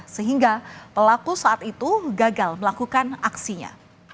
sehingga pelaku saat itu gagal melakukan aksinya